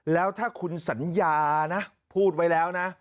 แล้วถ้าคุณสัญญานะพูดไว้แล้วนะ